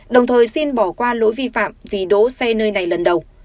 đồng thời xin bỏ qua lỗi vi phạm vì đỗ xe nơi này lần đầu